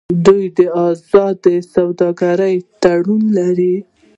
دوی د ازادې سوداګرۍ تړون لري.